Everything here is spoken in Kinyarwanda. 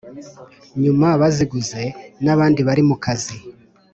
Nyuma baziguze n’abandi bari mu kazi